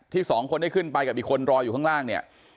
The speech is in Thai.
สองคนได้ขึ้นไปกับอีกคนรออยู่ข้างล่างเนี่ย